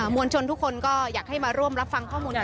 วลชนทุกคนก็อยากให้มาร่วมรับฟังข้อมูล